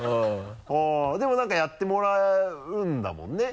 ほぉでも何かやってもらうんだもんね？